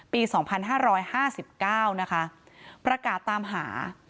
ปี๒๕๕๙นะคะประกาศตามหา